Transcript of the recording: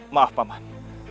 maaf pak man